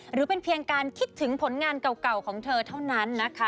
หรือเป็นเพียงการคิดถึงผลงานเก่าของเธอเท่านั้นนะคะ